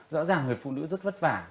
rõ ràng người phụ nữ rất vất vả